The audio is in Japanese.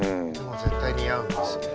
絶対似合うんですよね。